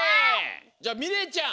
じゃあみれいちゃん。